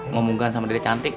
ngomongkan sama diri cantik